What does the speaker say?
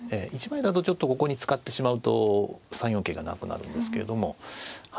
１枚だとちょっとここに使ってしまうと３四桂がなくなるんですけれども。